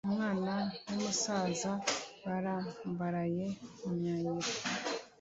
Umwana n’umusaza barambaraye mu mayira;